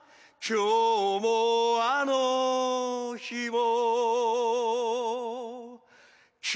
「今日もあの日も」